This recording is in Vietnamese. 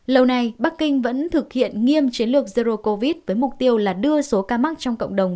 lâu nay bắc kinh vẫn thực hiện nghiêm chiến lược zero covid với mục tiêu là đưa số ca mắc trong cộng đồng